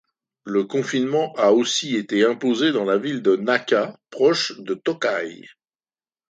Le confinement a aussi été imposé dans la ville de Naka proche de Tōkai.